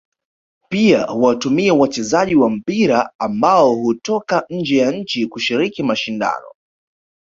Pia huwatumia wachezaji wa mpira ambao hutoka nje ya nchi kushiriki mashindano